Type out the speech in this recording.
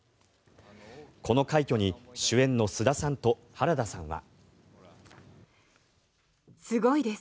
この快挙に主演の菅田さんと原田さんは。